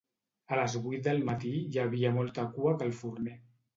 A les vuit del matí hi havia molta cua a cal forner